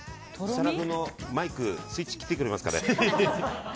設楽君のマイクスイッチ切ってくれますかね。